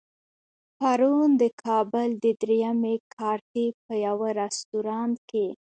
پرون د کابل د درېیمې کارتې په يوه رستورانت کې.